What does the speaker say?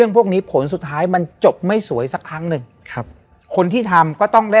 และวันนี้แขกรับเชิญที่จะมาเยี่ยมในรายการสถานีผีดุของเรา